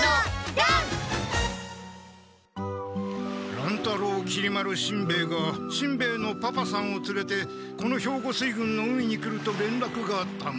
乱太郎きり丸しんべヱがしんべヱのパパさんをつれてこの兵庫水軍の海に来るとれんらくがあったが。